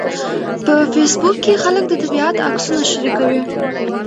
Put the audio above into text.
په فېسبوک کې خلک د طبیعت عکسونه شریکوي